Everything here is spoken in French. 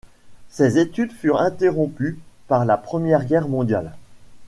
Ses études furent interrompues par la Première Guerre mondiale.